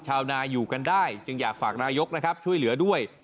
ชาวนาอยู่กันได้จึงอยากฝากนายกนะครับช่วยเหลือด้วย